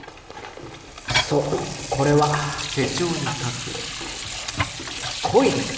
そうこれは恋です。